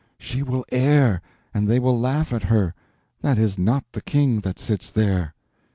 She will err, and they will laugh at her. That is not the King that sits there."